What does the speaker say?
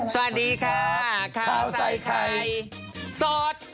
สวัสดีค่ะข้าวใส่ไข่สด